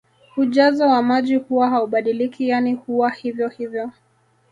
Ujazo wa maji huwa haubadiliki yani huwa hivyo hivyo